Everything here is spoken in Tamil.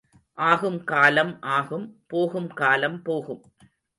ஆகும் காலம் ஆகும் போகும் காலம் போகும்.